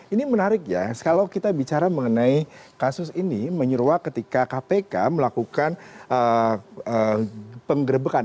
ini menarik ya kalau kita bicara mengenai kasus ini menyeruak ketika kpk melakukan penggerbekan